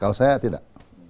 kalau saya tidak